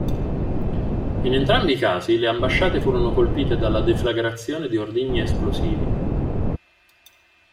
In entrambi i casi, le ambasciate furono colpite dalla deflagrazione di ordigni esplosivi.